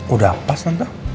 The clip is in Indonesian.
udah pas tante